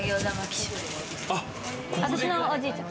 私のおじいちゃん